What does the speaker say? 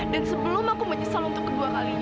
dan sebelum aku menyesal untuk kedua kalinya